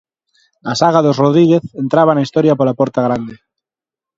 A saga dos Rodríguez entraba na historia pola porta grande.